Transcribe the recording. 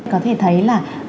có thể thấy là